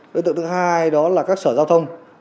đối tượng thứ hai đó là các sở giao thông